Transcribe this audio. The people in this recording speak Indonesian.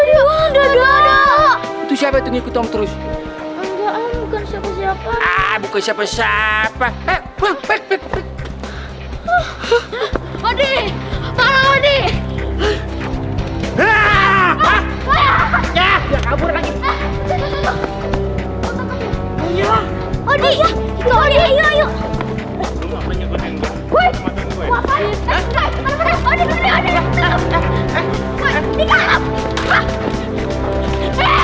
itu siapa itu ngikutin terus bukan siapa siapa bukan siapa siapa